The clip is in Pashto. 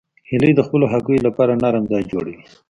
هیلۍ د خپلو هګیو لپاره نرم ځای جوړوي